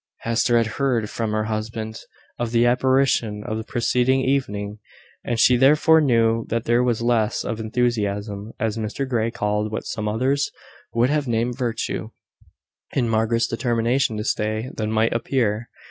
Hester had heard from her husband of the apparition of the preceding evening, and she therefore knew that there was less of `enthusiasm,' as Mr Grey called what some others would have named virtue, in Margaret's determination to stay, than might appear.